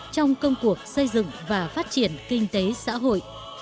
trong công cuộc xây dựng và phát triển kinh tế xã hội